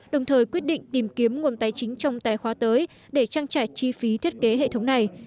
đồng thời quyết định tìm kiếm nguồn tài chính trong tài khoá tới để trang trải chi phí thiết kế hệ thống này